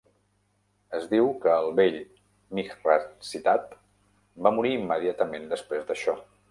Es diu que el vell Mihransitad va morir immediatament després d'això.